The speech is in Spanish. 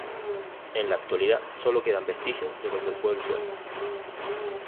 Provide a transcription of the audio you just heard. En la actualidad solo quedan vestigios de lo que el pueblo fue.